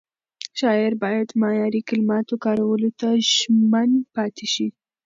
شاعر باید معیاري کلماتو کارولو ته ژمن پاتې شي.